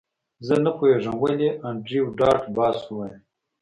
زه نه پوهیږم ولې انډریو ډاټ باس وویل